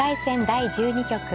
第１２局。